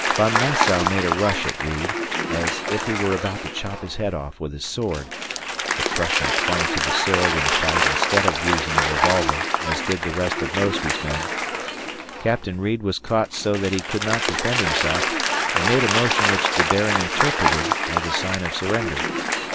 Von Massow made a rush at Reid, as if he were about to chop his head off with his sword the Prussian clung to the sword in a fight instead of using a revolver, as did the rest of Mosby's men. Captain Reid was caught so that he could not defend himself and made a motion which the Baron interpreted as a sign of surrender.